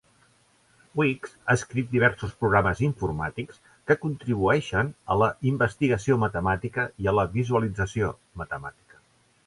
Weeks ha escrit diversos programes informàtics que contribueixen a la investigació matemàtica i a la visualització matemàtica.